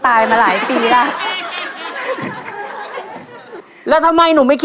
ตัวเลือดที่๓ม้าลายกับนกแก้วมาคอ